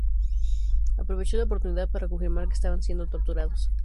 Aprovechó la oportunidad para confirmar que estaban siendo torturados.